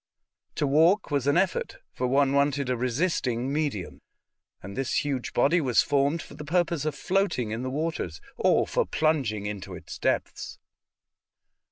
To walk was an effort, for one wanted a resisting medium, and this huge body was formed for the purpose of floating in the waters, or for plunging into its depths.